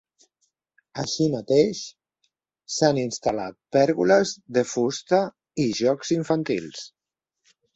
Així mateix, s’han instal·lat pèrgoles de fusta i jocs infantils.